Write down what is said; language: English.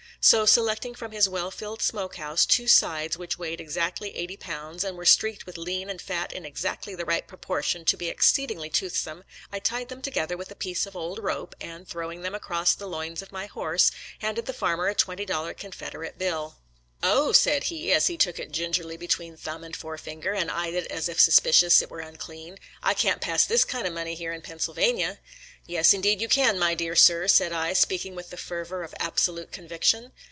So selecting from his well filled smoke house two sides which weighed exactly eighty pounds and were streaked with lean and fat in exactly the right proportion to be exceed ingly toothsome, I tied them together with a piece of old rope, and, throwing them across the loins of my horse, handed the farmer a twenty dollar Confederate bill. " Oh !" said he, as he took it gingerly between thumb and forefinger, and eyed it as if suspicious it were unclean, " I can't pass this kind of money here in Pennsyl vania." " Yes, indeed you can, my dear sir," said I, speaking with the fervor of absolute con viction.